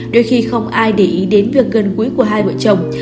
đôi khi không ai để ý đến việc gần cuối của hai vợ chồng